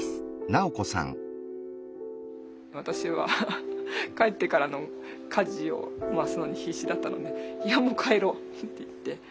私は帰ってからの家事を回すのに必死だったので「いやもう帰ろう」って言って。